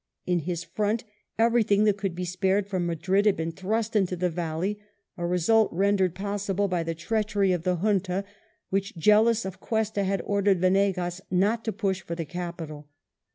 In his front everything that could be spared from Madrid had been thrust into the valley, a result rendered possible by the treachery of the Jimta, which, jealous of Cuesta, had ordered Venegas not to push for the capital.